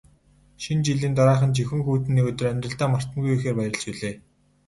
Шинэ жилийн дараахан жихүүн хүйтэн нэг өдөр амьдралдаа мартамгүй ихээр баярлаж билээ.